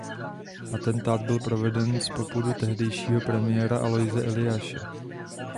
Atentát byl proveden z popudu tehdejšího premiéra Aloise Eliáše.